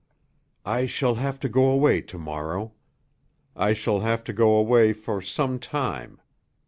"I shall have to go away to morrow. I shall have to go away for some time.